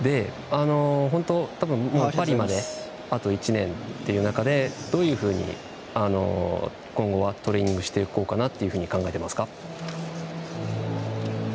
パリまで、あと１年という中でどういうふうに、今後はトレーニングしていこうかなと考えていますか？